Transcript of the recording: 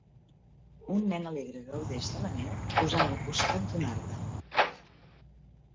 Un nen alegre gaudeix de la neu posant al costat d'un arbre.